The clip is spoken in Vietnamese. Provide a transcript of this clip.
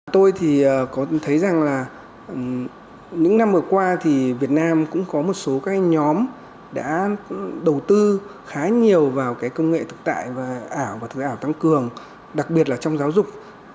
tôi thì có thấy rằng là những năm vừa qua thì việt nam cũng có một số các nhóm đã đầu tư khá nhiều vào cái công nghệ thực tại và ảo và thực tế ảo tăng cường đặc biệt là trong giáo dục